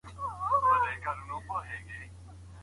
خصوصي پوهنتون له پامه نه غورځول کیږي.